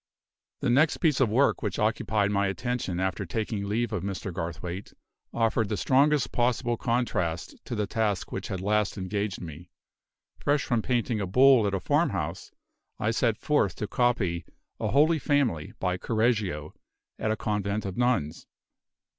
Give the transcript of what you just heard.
The next piece of work which occupied my attention after taking leave of Mr. Garthwaite, offered the strongest possible contrast to the task which had last engaged me. Fresh from painting a bull at a farmhouse, I set forth to copy a Holy Family, by Correggio, at a convent of nuns.